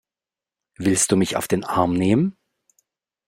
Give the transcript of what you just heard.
Willst du mich auf den Arm nehmen?